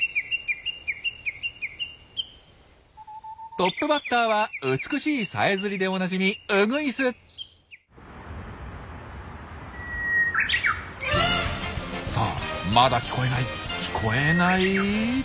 トップバッターは美しいさえずりでおなじみさあまだ聞こえない聞こえない。